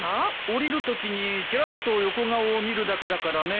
降りるときにちらっと横顔を見るだけだからね。